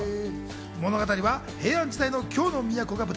物語は平安時代の京の京都が舞台。